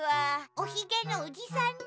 おひげのおじさんね。